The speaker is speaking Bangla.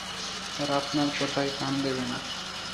তারা আপনার কথায় কান দেবে না।